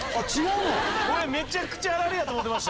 めちゃくちゃ「あられ」やと思ってました。